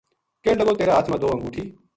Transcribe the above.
کہن لگو تیرا ہتھ ما دو انگوٹھی